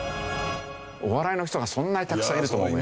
お笑いの人がそんなにたくさんいるとは思えない。